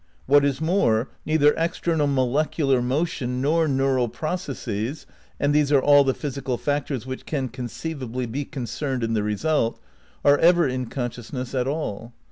^ What is more, neither external molecular motion, nor neural pro cesses — and these are all the physical factors which can conceivably be concerned in the result — are ever in consciousness at all.